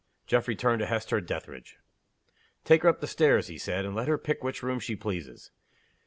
Geoffrey turned to Hester Dethridge. "Take her up stairs," he said; "and let her pick which room she pleases.